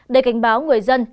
để cảnh báo người dân